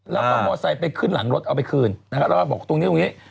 แล้วก็มอไซค์ไปขึ้นหลังรถเอาไปคืนนะฮะแล้วก็บอกตรงนี้ตรงนี้